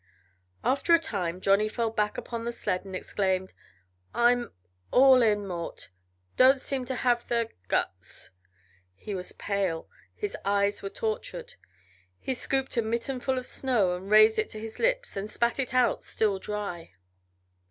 After a time Johnny fell back upon the sled and exclaimed: "I'm all in, Mort. Don't seem to have the guts." He was pale, his eyes were tortured. He scooped a mitten full of snow and raised it to his lips, then spat it out, still dry.